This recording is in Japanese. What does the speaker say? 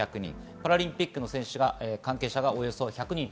パラリンピック関係者がおよそ１００人です。